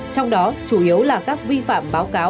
trong đó chủ yếu là các vi phạm báo cáo